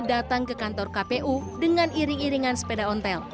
datang ke kantor kpu dengan iring iringan sepeda ontel